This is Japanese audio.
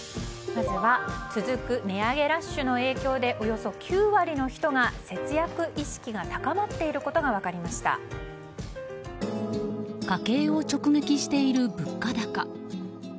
まず続く値上げラッシュの影響でおよそ９割の人が節約意識が高まっていることが家計を直撃している物価高。